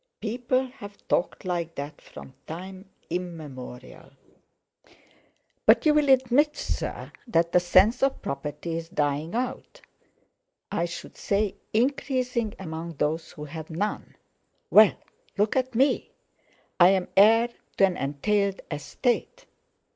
"People have talked like that from time immemorial" "But you'll admit, sir, that the sense of property is dying out?" "I should say increasing among those who have none." "Well, look at me! I'm heir to an entailed estate.